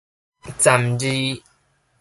鏨字